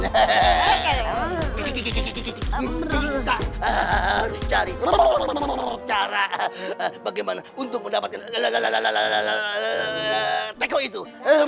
kita harus cari cara bagaimana untuk mendapatkan teko itu